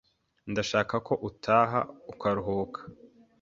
Ndashaka ko utaha ukaruhuka.